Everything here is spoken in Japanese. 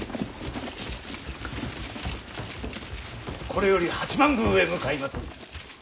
これより八幡宮へ向かいます。